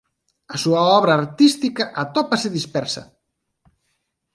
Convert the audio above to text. A súa obra artística atópase dispersa.